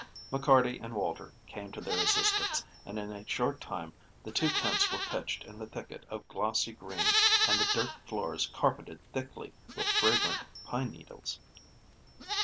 McCarty and Walter came to their assistance, and in a short time the two tents were pitched in the thicket of glossy green and the dirt floors carpeted thickly with fragrant pine needles.